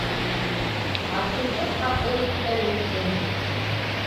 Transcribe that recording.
Ҡатынды ҡатын иткән утын.